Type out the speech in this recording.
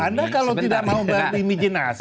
anda kalau tidak mau berimijinasi